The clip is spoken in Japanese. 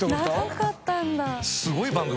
長かったんだ！